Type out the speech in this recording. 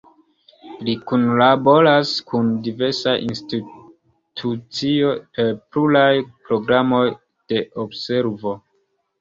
Li kunlaboras kun diversaj institucioj per pluraj programoj de observo.